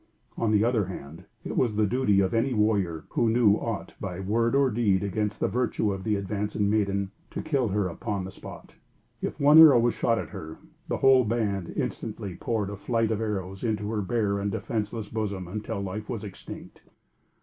On the other hand, it was the duty of any warrior, who knew aught by word or deed against the virtue of the advancing maiden, to kill her upon the spot. If one arrow was shot at her, the whole band instantly poured a flight of arrows into her bare and defenceless bosom until life was extinct.